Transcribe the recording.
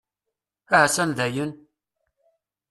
Ahasan dayen!